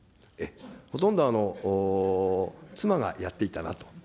ほとんど妻がやっていたなと。